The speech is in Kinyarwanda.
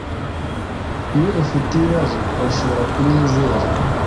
Iyo ufite ibibazo urashobora kunyizera